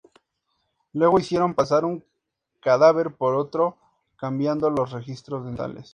Luego hicieron pasar un cadáver por otro cambiando los registros dentales.